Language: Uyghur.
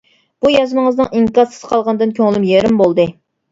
بۇ يازمىڭىزنىڭ ئىنكاسسىز قالغىنىدىن كۆڭلۈم يېرىم بولدى.